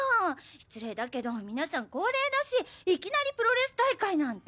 失礼だけど皆さん高齢だしいきなりプロレス大会なんて。